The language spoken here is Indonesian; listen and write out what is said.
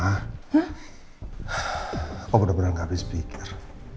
aku benar benar gak habis pikir